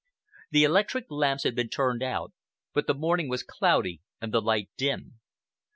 The electric lamps had been turned out, but the morning was cloudy and the light dim.